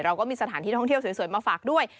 เราก็มีสถานที่ท่องเที่ยวสวยมาฝากด้วย